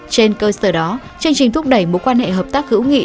trên cơ sở đó chương trình thúc đẩy mối quan hệ hợp tác hữu nghị